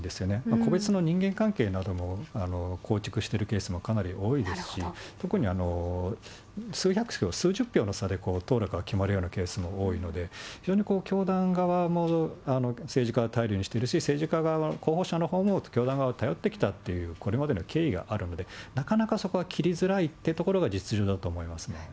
個別の人間関係なども構築しているケースがかなり多いですし、特に、数百票、数十票の差で通るか決まる場合も多いので、非常に教団側も、政治家を頼りにしてるし、政治家側、候補者のほうも教団を頼ってきたという、これまでの経緯があるので、なかなかそこは切りづらいというところが実情だと思いますね。